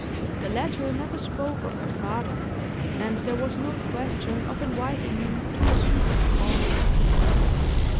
The latter never spoke of her father, and there was no question of inviting him to repeat his call.